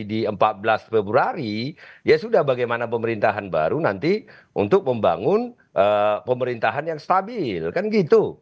jadi di empat belas februari ya sudah bagaimana pemerintahan baru nanti untuk membangun pemerintahan yang stabil kan gitu